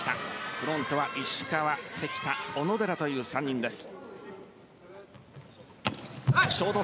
フロントは石川、関田、小野寺という３人です。